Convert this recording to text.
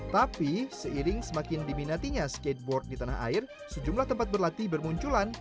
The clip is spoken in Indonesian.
tapi seiring semakin diminatinya skateboard di tanah air sejumlah tempat berlatih bermunculan